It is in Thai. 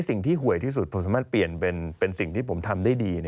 หวยที่สุดผมสามารถเปลี่ยนเป็นสิ่งที่ผมทำได้ดี